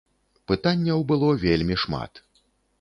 Пытанняў было вельмі шмат.